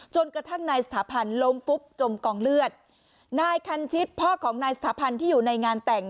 จนกระทั่งนายสถาพันธ์ล้มฟุบจมกองเลือดนายคันชิดพ่อของนายสถาพันธ์ที่อยู่ในงานแต่ง